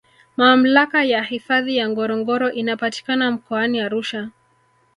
Mamlaka ya hifadhi ya ngorongoro inapatikana Mkoani Arusha